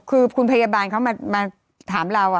คือคุณพยาบาลเขามาถามเรา